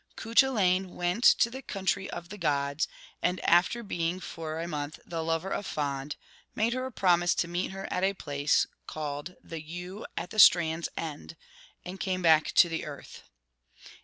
Cuchullain went to the country of the gods, and, after being for a 104 month the lover of Fand, made her a promise to meet her at a place called ' the Yew at the Strand's End,' and came back to the earth.